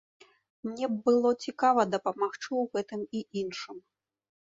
Мне б было цікава дапамагчы ў гэтым і іншым.